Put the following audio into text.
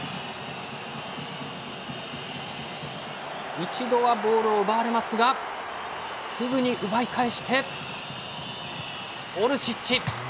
一度はボールを奪われますがすぐに奪い返してオルシッチ。